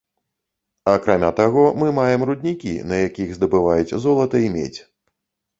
Акрамя таго, мы маем руднікі, на якіх здабываюць золата й медзь.